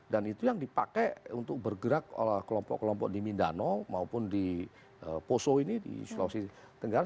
dan itu yang dipakai untuk bergerak oleh kelompok kelompok di mindanao maupun di poso ini di sulawesi tenggara